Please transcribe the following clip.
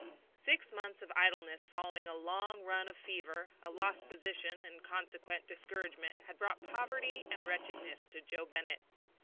Six months of idleness following a long run of fever, a lost position, and consequent discouragement had brought poverty and wretchedness to Joe Bennett.